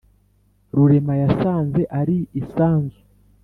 rurema yasanze ari isanzu